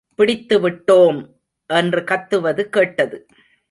பிடித்துவிட்டோம்! என்று கத்துவது கேட்டது.